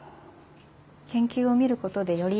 研究を見ることでより。